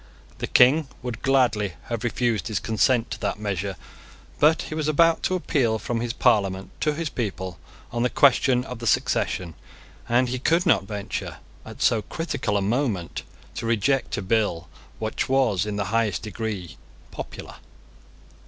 The King would gladly have refused his consent to that measure: but he was about to appeal from his Parliament to his people on the question of the succession, and he could not venture, at so critical a moment, to reject a bill which was in the highest degree popular.